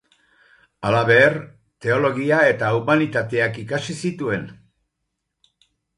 Halaber teologia eta humanitateak ikasi zituen.